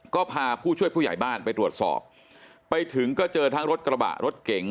ก็พาผู้ช่วยผู้ใหญ่บ้านไปตรวจสอบไปถึงก็เจอทั้งรถกระบะรถเก๋ง